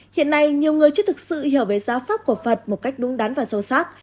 hiện nay nhiều người chưa thực sự hiểu về giáo pháp của phật một cách đúng đắn và sâu sắc